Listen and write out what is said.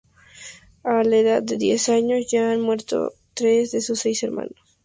A la edad de diez años ya han muerto tres de sus seis hermanos.